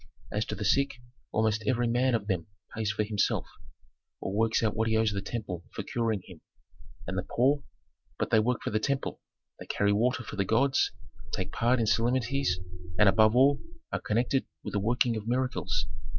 As to the sick, almost every man of them pays for himself, or works out what he owes the temple for curing him. And the poor? But they work for the temple: they carry water for the gods, take part in solemnities, and, above all, are connected with the working of miracles.